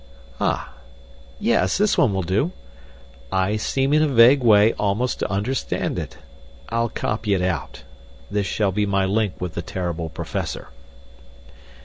Ah, yes, this one will do. I seem in a vague way almost to understand it. I'll copy it out. This shall be my link with the terrible Professor."